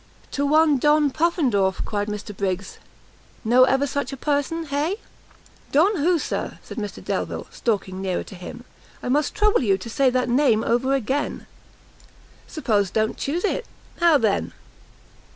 "To one Don Puffendorff," replied Mr Briggs; "know ever such a person, hay?" "Don who? Sir!" said Mr Delvile, stalking nearer to him, "I must trouble you to say that name over again." "Suppose don't chuse it? how then?"